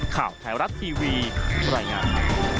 ข่าวไทยรัฐทีวีรายงาน